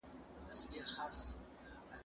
زه مينه څرګنده کړې ده؟